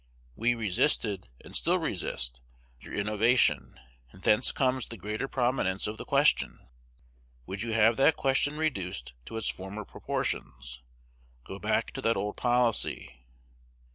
We resisted, and still resist, your innovation; and thence comes the greater prominence of the question. Would you have that question reduced to its former proportions? Go back to that old policy.